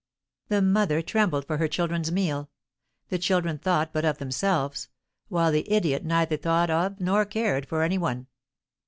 The mother trembled for her children's meal; the children thought but of themselves; while the idiot neither thought of nor cared for any one.